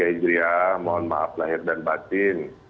hijriah mohon maaf lahir dan batin